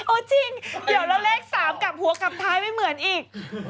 จริงเดี๋ยวแล้วเลข๓กลับหัวกลับท้ายไม่เหมือนอีก